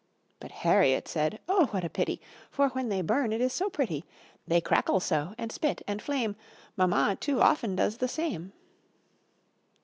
But Harriet said: "Oh, what a pity! For, when they burn, it is so pretty; They crackle so, and spit, and flame: Mamma, too, often does the same."